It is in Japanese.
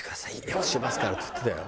「用意しますから」って言ってたよ。